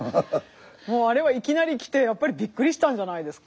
もうあれはいきなり来てやっぱりビックリしたんじゃないですか？